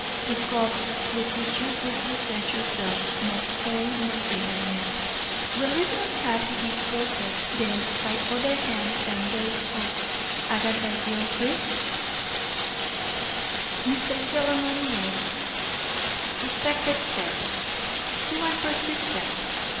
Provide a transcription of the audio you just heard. The cup with which you would refresh yourself must hold no bitterness. Will it not have to be proffered, then, by other hands than those of AGATHA GILCHRIST? MR. PHILEMON WEBB. Respected Sir: You are persistent.